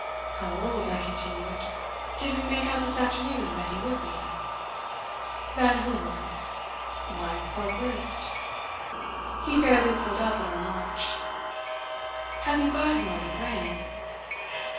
"How old," I continued, "did we make out this afternoon that he would be?" "That who would?" "Why, poor Briss." He fairly pulled up in our march. "Have you got him on the brain?"